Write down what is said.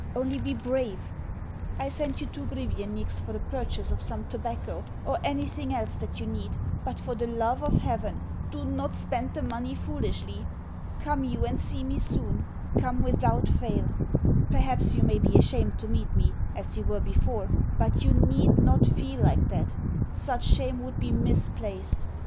Only be brave. I send you two grivenniks for the purchase of some tobacco or anything else that you need; but, for the love of heaven, do not spend the money foolishly. Come you and see me soon; come without fail. Perhaps you may be ashamed to meet me, as you were before, but you NEED not feel like that such shame would be misplaced.